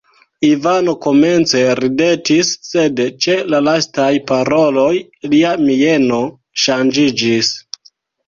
Ivano komence ridetis, sed ĉe la lastaj paroloj lia mieno ŝanĝiĝis.